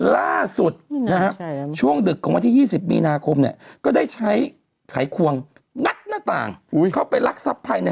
ล่าสุดฮะช่วงดึกของวันที่๒๐บนก็ได้ใช้ไขขวงงัดหน้าต่างเขาไปลักซับไทย